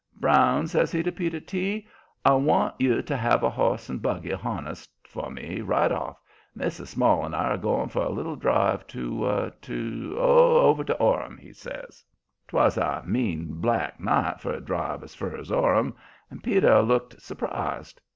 "Brown," says he to Peter T., "I want you to have a horse and buggy harnessed up for me right off. Mrs. Small and I are going for a little drive to to over to Orham," he says. 'Twas a mean, black night for a drive as fur as Orham and Peter looked surprised.